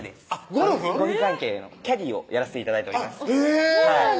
ゴルフ関係のキャディーをやらせて頂いておりますへぇ！